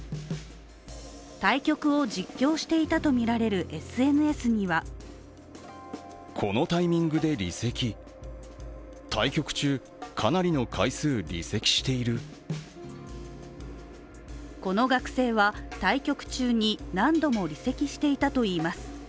対局を実況していたとみられるＳＮＳにはこの学生は対局中に何度も離席していたといいます。